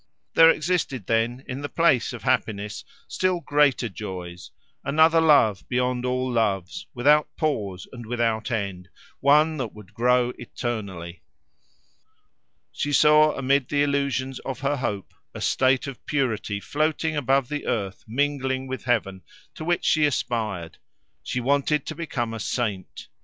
There existed, then, in the place of happiness, still greater joys another love beyond all loves, without pause and without end, one that would grow eternally! She saw amid the illusions of her hope a state of purity floating above the earth mingling with heaven, to which she aspired. She wanted to become a saint.